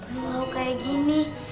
mau ngelau kayak gini